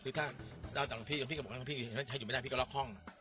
คือถ้าดาวจากหลังพี่หลังพี่ก็บอกว่าหลังพี่อยู่ไม่ได้หลังพี่ก็ล็อกห้อง